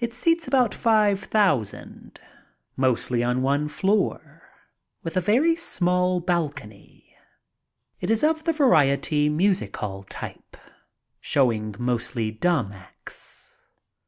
It seats about five thousand, mostly on one floor, with a very small balcony. It is of the variety, music hall type, showing mostly "dumb" acts.